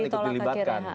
tapi sudah ditolak ke kra